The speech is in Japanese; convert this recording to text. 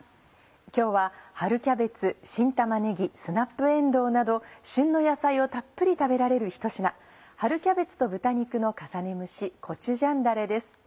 今日は春キャベツ新玉ねぎスナップえんどうなど旬の野菜をたっぷり食べられるひと品「春キャベツと豚肉の重ね蒸しコチュジャンだれ」です。